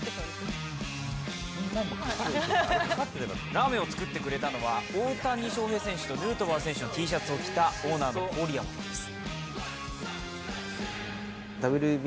ラーメンを作ってくれたのは大谷翔平選手とヌートバー選手のＴシャツを着たオーナーの郡山さんです。